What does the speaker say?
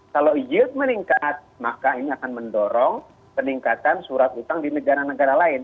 kalau yield meningkat maka ini akan mendorong peningkatan surat utang di negara negara lain